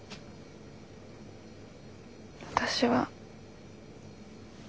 私は。